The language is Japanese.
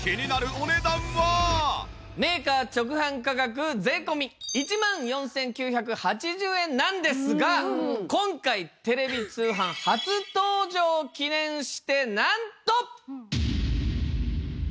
メーカー直販価格税込１万４９８０円なんですが今回テレビ通販初登場を記念してなんと。